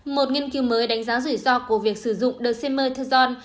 một nghiên cứu mới đánh giá rủi ro của việc sử dụng dexamethasone